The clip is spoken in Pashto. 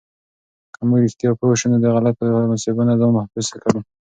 که موږ رښتیا پوه شو، نو د غلطو محاسبو نه ځان محفوظ کړو.